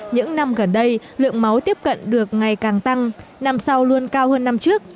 những năm gần đây lượng máu tiếp cận được ngày càng tăng năm sau luôn cao hơn năm trước